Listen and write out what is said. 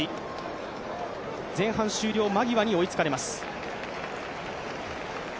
前半終了間際に追いつかれます。